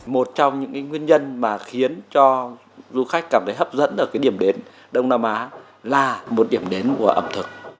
một trong những nguyên nhân mà khiến cho du khách cảm thấy hấp dẫn ở cái điểm đến đông nam á là một điểm đến của ẩm thực